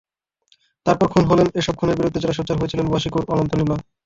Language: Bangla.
তারপর খুন হলেন এসব খুনের বিরুদ্ধে যাঁরা সোচ্চার হয়েছিলেন—ওয়াশিকুর, অনন্ত, নিলয়।